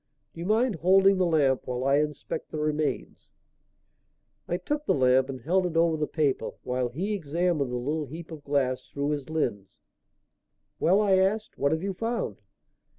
Do you mind holding the lamp while I inspect the remains?" I took the lamp and held it over the paper while he examined the little heap of glass through his lens. "Well," I asked. "What have you found?"